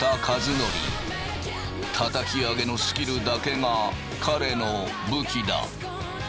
たたき上げのスキルだけが彼の武器だ。